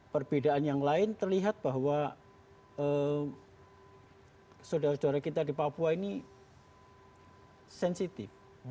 perbedaan yang lain terlihat bahwa saudara saudara kita di papua ini sensitif